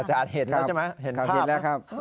อาจารย์เห็นแล้วใช่ไหมเห็นภาพ